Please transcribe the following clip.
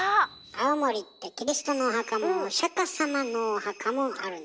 青森ってキリストのお墓もお釈様のお墓もあるんでしょ？